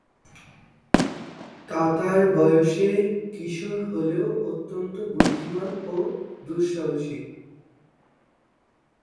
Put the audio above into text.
তাতার বয়েসে কিশোর হলেও অত্যন্ত বুদ্ধিমান ও দুঃসাহসী।